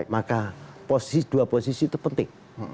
maka dua posisi itu penting